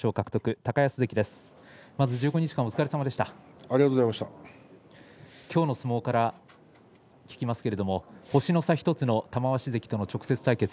今日の相撲から聞きますけれども星の差１つの玉鷲関との直接対決